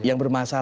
jangan lupa saja